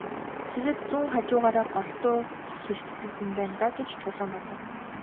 Тэгээд зүүн хажуугаараа голдуу хэвтдэг юм байна даа гэж Чулуун бодов.